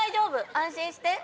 安心して。